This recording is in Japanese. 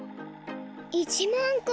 １まんこ！